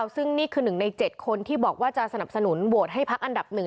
ซึ่งนี่คือ๑ใน๗คนที่บอกว่าจะสนับสนุนโหวตให้พักอันดับ๑